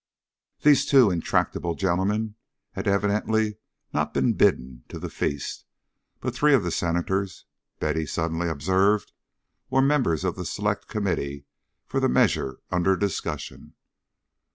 These two intractable gentlemen had evidently not been bidden to the feast; but three of the Senators, Betty suddenly observed, were members of the Select Committee for the measure under discussion.